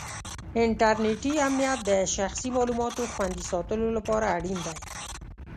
انټرنېټي امنیت د شخصي معلوماتو خوندي ساتلو لپاره اړین دی.